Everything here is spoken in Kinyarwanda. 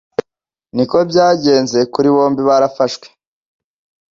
Niko byagenze kuri bombi barafashwe